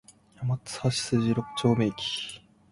天津橋筋六丁目駅